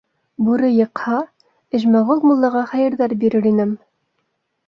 Бүре йыҡһа, Эжмәғол муллаға хәйерҙәр бирер инем!